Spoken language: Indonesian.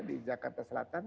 di jakarta selatan